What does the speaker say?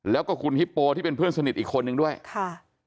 แล้วก็คุณฮิปโปที่เป็นเพื่อนสนิทอีกคนนึงด้วยค่ะ